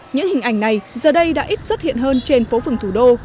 những hình ảnh này giờ đây đã ít xuất hiện hơn trên phố phường thủ đô